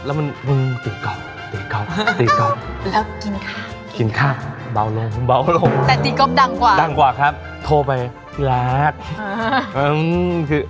เบาลงแต่จี๊ก๊อปดังกว่าดังกว่าครับโทรไปพี่รักอื้อคือ